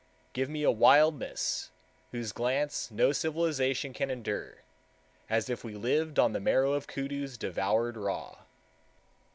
Give me a wildness whose glance no civilization can endure,—as if we lived on the marrow of koodoos devoured raw.